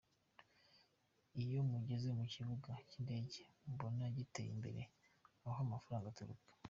Iyo mugeze ku Kibuga cy’indege mubona gitera imbere, ni aho amafaranga aturuka.